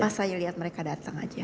pas saya lihat mereka datang aja